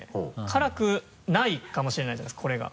辛くないかもしれないじゃないですかこれが。